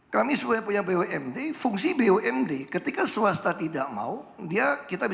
kami sudah ada ancol kita ganti direksi